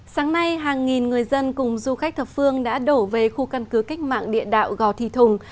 sáng nay hàng nghìn người dân cùng du khách thập phương đã đổ về khu căn cứ cách mạng địa đạo gò thị thùng